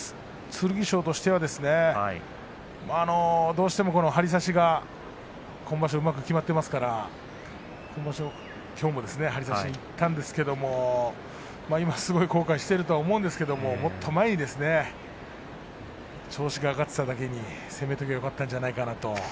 剣翔としてはどうしても張り差しが今場所うまくきまっていますからきょうも張り差しにいったんですけれど今すごい後悔していると思うんですけれど調子が上がっていただけにもっと前に攻めておけばよかったんじゃないかなと。